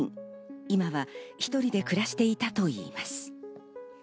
今は１人で暮らしていたといいます。